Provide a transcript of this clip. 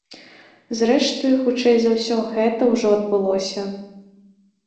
Зрэшты, хутчэй за ўсё, гэта ўжо адбылося.